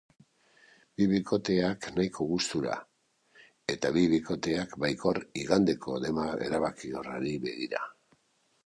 Bi bikoteak nahiko gustora eta bi bikoteak baikor igandeko dema erabakiorrari begira.